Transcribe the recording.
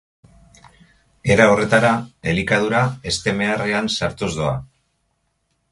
Era horretara elikadura heste meharrean sartuz doa.